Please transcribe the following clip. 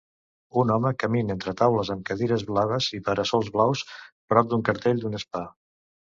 Un home camina entre taules amb cadires blaves i para-sols blaus prop d'un cartell d'un spa.